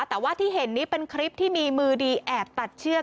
แต่ว่าที่เห็นนี้เป็นคลิปที่มีมือดีแอบตัดเชือก